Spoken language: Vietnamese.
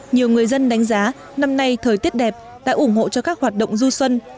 nhiều người dân đánh giá năm nay thời tiết đẹp đã ủng hộ cho các hoạt động du xuân